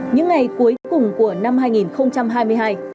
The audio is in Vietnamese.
những ngày cuối cùng của năm hai nghìn hai mươi hai